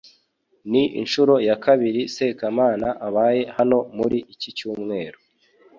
Ni inshuro ya kabiri Sekamana abaye hano muri iki cyumweru